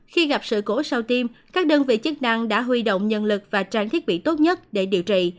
khi gặp sự cố sau tiêm các đơn vị chức năng đã huy động nhân lực và trang thiết bị tốt nhất để điều trị